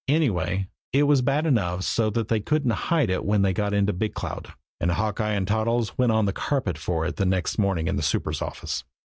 Anyway, it was bad enough so that they couldn't hide it when they got into Big Cloud and Hawkeye and Toddles went on the carpet for it the next morning in the super's office.